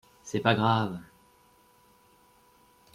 C’est pas grave.